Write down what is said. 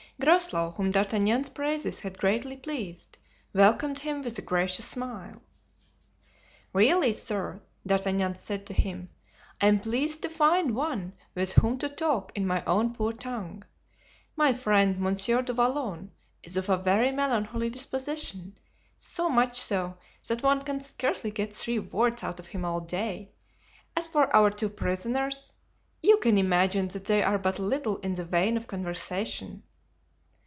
Groslow, whom D'Artagnan's praises had greatly pleased, welcomed him with a gracious smile. "Really, sir," D'Artagnan said to him, "I am pleased to find one with whom to talk in my own poor tongue. My friend, Monsieur du Vallon, is of a very melancholy disposition, so much so, that one can scarcely get three words out of him all day. As for our two prisoners, you can imagine that they are but little in the vein for conversation."